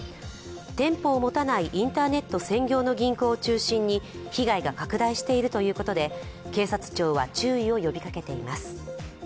店舗を持たないインターネット専業の銀行を中心に被害が拡大しているということで警察庁は注意を呼びかけています。